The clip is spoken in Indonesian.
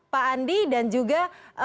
pak andi dan juga